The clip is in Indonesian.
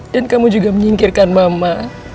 dan kamu juga menyingkirkan mama